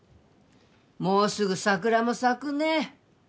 もうすぐ桜も咲くね